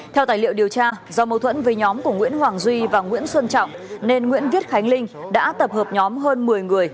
theo tài liệu điều tra do mâu thuẫn với nhóm của nguyễn hoàng duy và nguyễn xuân trọng nên nguyễn viết khánh linh đã tập hợp nhóm hơn một mươi người